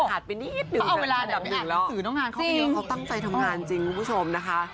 อาจไปนิดหนึ่งอันดับ๑แล้วเขาตั้งใจทำงานจริงคุณผู้ชมนะคะ